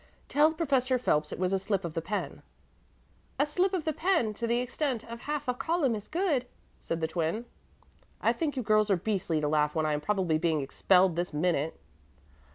"Tell Professor Phelps it was a slip of the pen." "A slip of the pen to the extent of half a column is good," said the Twin. "I think you girls are beastly to laugh when I am probably being expelled this minute."